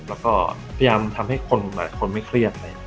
แล้วก็พยายามทำให้คนหลายคนไม่เครียด